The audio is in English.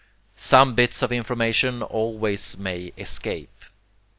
Some bits of information always may escape.